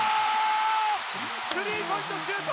スリーポイントシュート！